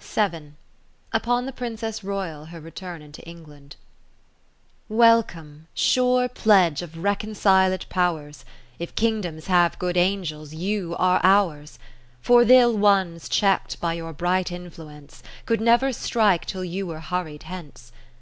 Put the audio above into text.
^o Upon the Princess Royal her Return into Eno land o Welcome, sure pledge of reconciled Powers ; If Kingdoms have Good Angels, you are ours : For th' 111 ones, check'd by your bright influence, Could never strike till you were hurried hence.